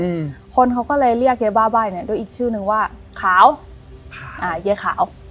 อืมคนเขาก็เลยเรียกยายบ้าใบ้เนี้ยด้วยอีกชื่อนึงว่าขาวอ่าเย้ขาว